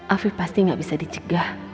afif pasti gak bisa dicegah